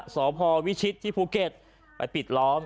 สพวิชิตที่ภูเก็ตไปปิดล้อม